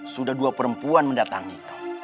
sudah dua perempuan mendatangi